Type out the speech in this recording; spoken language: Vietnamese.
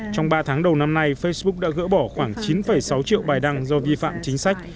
trong ba tháng đầu năm nay facebook đã gỡ bỏ khoảng chín sáu triệu bài đăng do vi phạm chính sách